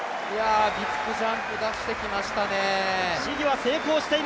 ビッグジャンプ出してきましたね。